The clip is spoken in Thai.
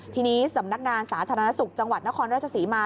ทีนี้สำนักงานสาธารณสุขจังหวัดนครราชศรีมา